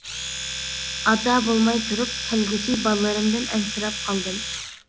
ئاتا بولماي تۇرۇپ كەلگۈسى بالىلىرىمدىن ئەنسىرەپ قالدىم.